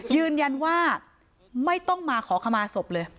ยืนยันว่าไม่ต้องมาขอขมาศพเลย